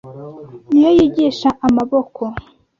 ni yo yigisha amaboko